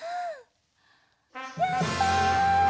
やった！